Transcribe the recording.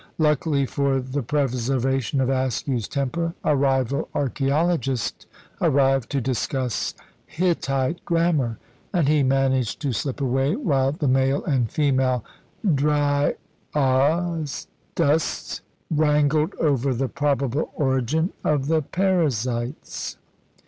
Luckily for the preservation of Askew's temper, a rival archæologist arrived to discuss Hittite grammar, and he managed to slip away while the male and female dryasdusts wrangled over the probable origin of the Perizzites.